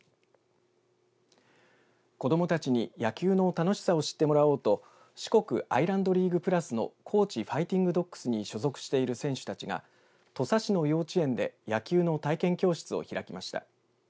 子どもたちに野球の楽しさを知ってもらおうと四国アイランドリーグｐｌｕｓの高知ファイティングドッグスに所属している選手たちが土佐市の幼稚園で野球の体験教室を開きました。